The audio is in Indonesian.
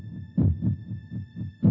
kalau lu gak suka sama tristan